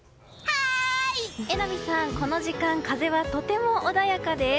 榎並さん、この時間、風はとても穏やかです。